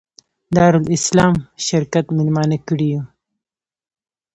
دارالسلام شرکت مېلمانه کړي یو.